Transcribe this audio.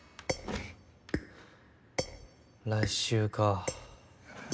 来週か。